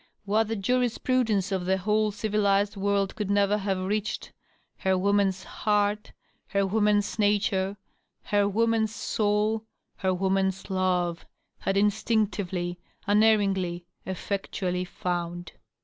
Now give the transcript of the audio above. What the jurisprudence of the whole civilized world could never have reached, her woman's heart, her woman's nature, her woman's soul, her woman's love, had instinctively, unerringly, effectually found.